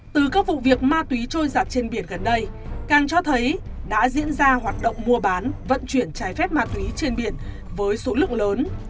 từ các vụ việc ma túy trôi giặt trên biển gần đây càng cho thấy đã diễn ra hoạt động mua bán vận chuyển trái phép ma túy trên biển với số lượng lớn